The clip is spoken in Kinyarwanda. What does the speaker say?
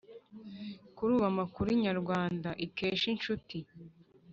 kuri ubu amakuru inyarwanda ikesha inshuti